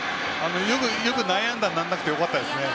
よく内野安打にならなくてよかったですね。